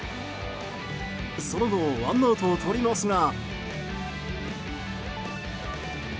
その後ワンアウトを取りますが。